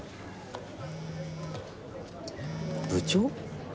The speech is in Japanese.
部長？